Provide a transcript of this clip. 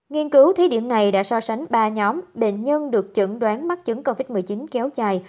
nghiên cứu thí điểm này đã so sánh ba nhóm bệnh nhân được chẩn đoán mắc chứng covid một mươi chín kéo dài